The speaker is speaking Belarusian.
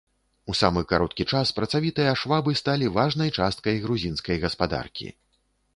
У самы кароткі час працавітыя швабы сталі важнай часткай грузінскай гаспадаркі.